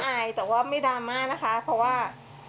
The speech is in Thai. อายแต่ว่าไม่ดราม่านะคะเพราะว่า